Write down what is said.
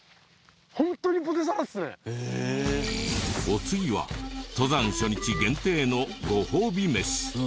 お次は登山初日限定のご褒美飯。